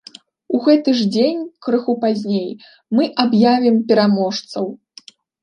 У гэты ж дзень, крыху пазней, мы аб'явім пераможцаў!